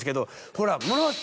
ほら。